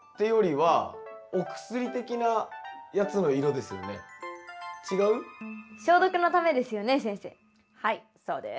はいそうです。